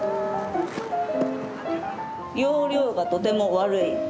要領がとても悪い。